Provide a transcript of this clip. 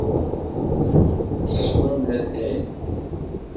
Teswam latay?